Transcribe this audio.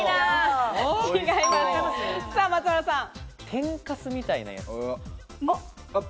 天かすみたいなやつ。